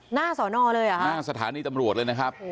หน้าสถานีตำรวจเลยนะครับ